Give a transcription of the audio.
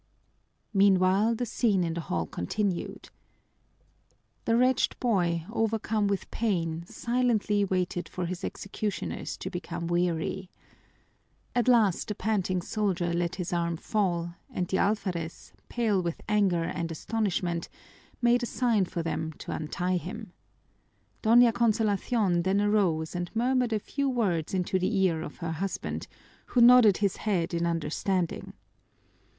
Meanwhile, the scene in the hall continued. The wretched boy, overcome with pain, silently waited for his executioners to become weary. At last the panting soldier let his arm fall, and the alferez, pale with anger and astonishment, made a sign for them to untie him. Doña Consolacion then arose and murmured a few words into the ear of her husband, who nodded his head in understanding.